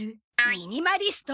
ミニマリスト！